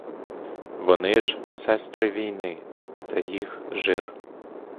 Вони ж сестри війни, це їх жир!